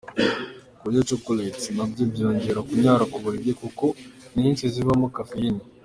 Kurya chocolate nabyo byongera kunyara ku buriri kuko inyinshi zibamo caffeine.